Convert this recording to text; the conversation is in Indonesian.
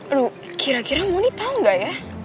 aduh kira kira mondi tau gak ya